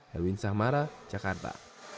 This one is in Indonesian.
helwin samara jakarta